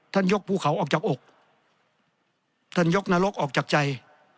ยกภูเขาออกจากอกท่านยกนรกออกจากใจ